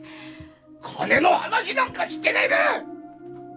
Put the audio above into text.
金の話なんかしてねえべ！